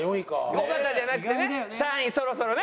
尾形じゃなくてね３位そろそろね。